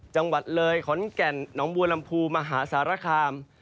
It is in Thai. จังหวัดเลยขอนแก่นหนองบัวลำพูมหาสารคาม